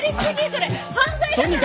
それ犯罪だから！